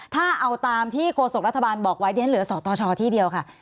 ถ้าเอาตามที่โฆษกรัฐบาลบอกไว้ดิฉันเหลือสตชที่เดียวค่ะ